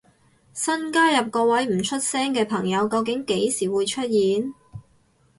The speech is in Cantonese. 新加入嗰位唔出聲嘅朋友究竟幾時會出現？